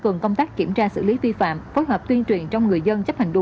các anh sẽ đi làm việc của các anh